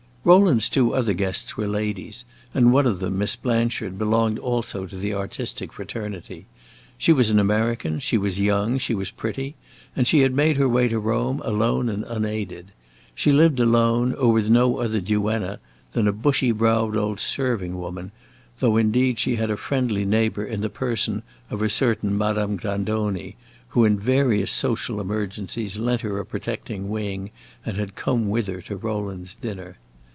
Rowland's two other guests were ladies, and one of them, Miss Blanchard, belonged also to the artistic fraternity. She was an American, she was young, she was pretty, and she had made her way to Rome alone and unaided. She lived alone, or with no other duenna than a bushy browed old serving woman, though indeed she had a friendly neighbor in the person of a certain Madame Grandoni, who in various social emergencies lent her a protecting wing, and had come with her to Rowland's dinner.